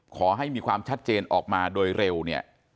ขอให้มีความชัดเจนออกมาโดยเร็วเนี่ย